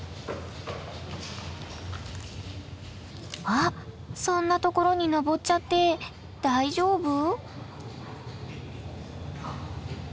あっそんな所に上っちゃって大丈夫？